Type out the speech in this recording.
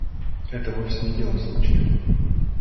Это вовсе не дело случая.